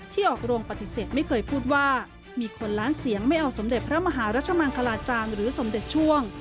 ออกโรงปฏิเสธไม่เคยพูดว่ามีคนล้านเสียงไม่เอาสมเด็จพระมหารัชมังคลาจารย์หรือสมเด็จช่วง